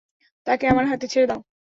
তাকে আমার হাতে ছেড়ে দাও।